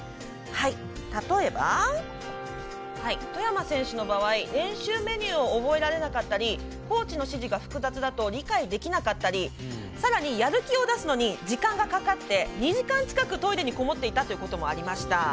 例えば、外山選手の場合練習メニューを覚えられなかったりコーチの指示が複雑だと理解できなかったりさらに、やる気を出すのに時間がかかって、２時間近くトイレに籠もっていたこともありました。